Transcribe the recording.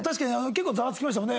結構ざわつきましたもんね。